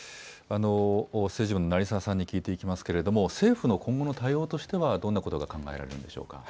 政治部の成澤さんに聞いていきますが政府の今後の対応としてはどんなことが考えられますか。